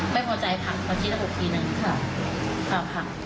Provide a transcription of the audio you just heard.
ไม่พอใจพักพอทิ้งละ๖ทีนั้นอยู่พักครับ